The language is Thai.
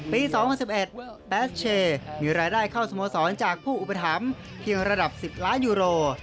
๒๐๑๑แบชเชย์มีรายได้เข้าสโมสรจากผู้อุปถัมภ์เพียงระดับ๑๐ล้านยูโร